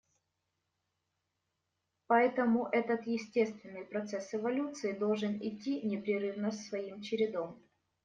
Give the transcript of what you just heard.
Поэтому этот естественный процесс эволюции должен идти непрерывно своим чередом.